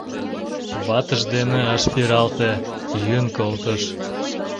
Ватыж дене ыш пералте, йӱын колтыш.